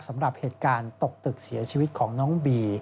สำหรับเหตุการณ์ตกตึกเสียชีวิตของน้องบี